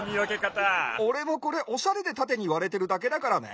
おれもこれおしゃれでたてにわれてるだけだからね。